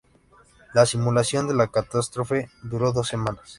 La simulación de la catástrofe duró dos semanas.